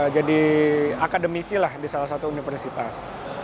jadi akademisi lah di salah satu universitas